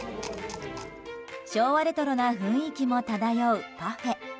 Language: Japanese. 昭和レトロな雰囲気も漂うパフェ。